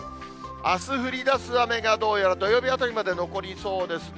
あす降りだす雨が、どうやら土曜日あたりまで残りそうですね。